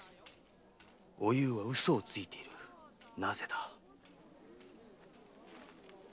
おゆうは嘘をついているなぜだ？